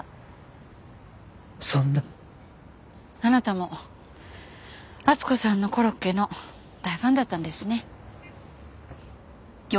あなたも温子さんのコロッケの大ファンだったんですね。